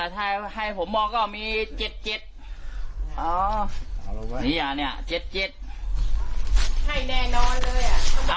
ถ้าให้ให้ผมมองก็มีเจ็ดเจ็ดอ๋อเนี้ยเนี้ยเจ็ดเจ็ดใช่แน่นอนเลยอ่ะ